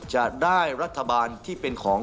จะได้รัฐบาลที่เป็นของ